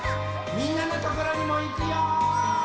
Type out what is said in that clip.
みんなのところにもいくよ。